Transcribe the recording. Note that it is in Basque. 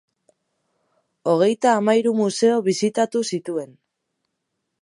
Hogeita hamahiru museo bisitatu zituen.